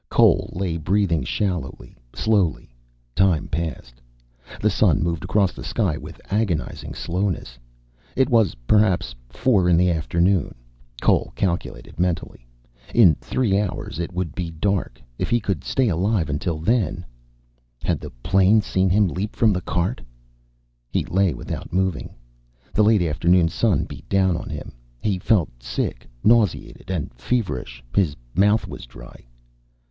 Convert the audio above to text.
Cole lay, breathing shallowly, slowly. Time passed. The sun moved across the sky with agonizing slowness. It was perhaps four in the afternoon. Cole calculated mentally. In three hours it would be dark. If he could stay alive until then Had the plane seen him leap from the cart? He lay without moving. The late afternoon sun beat down on him. He felt sick, nauseated and feverish. His mouth was dry.